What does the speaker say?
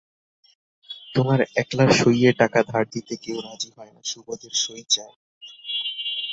তোমার একলার সইয়ে টাকা ধার দিতে কেউ রাজি হয় না, সুবোধের সই চায়।